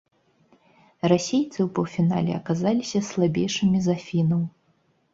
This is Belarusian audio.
Расейцы ў паўфінале аказаліся слабейшымі за фінаў.